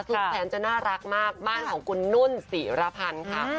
สุดแทนจะน่ารักมากบ้านของคุณนุ่นสีรพันธุ์อ่า